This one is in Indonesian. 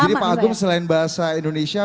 jadi pak agung selain bahasa indonesia